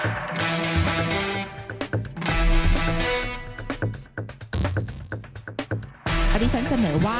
สถานทราบที่มีพยาบาลกูลบินที่ต้องไปเมืองแรง๑ปี